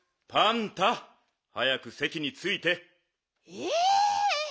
え？